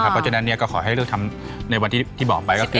เพราะฉะนั้นก็ขอให้เลือกทำในวันที่บอกไปก็คือ